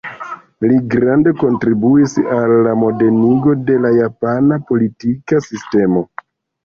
Li grande kontribuis al la modenigo de la japana politika sistemo.